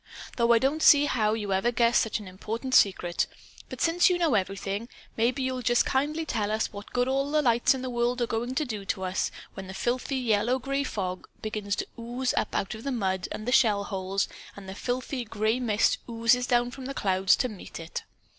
Though I don't see how you ever guessed such an important secret. But since you know everything, maybe you'll just kindly tell us what good all the lights in the world are going to do us when the filthy yellow gray fog begins to ooze up out of the mud and the shell holes, and the filthy gray mist oozes down from the clouds to meet it.